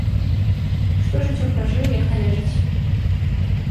Што жыццё пражыў, як належыць.